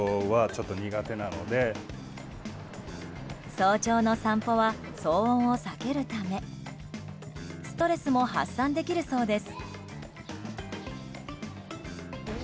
早朝の散歩は騒音を避けるためストレスも発散できるそうです。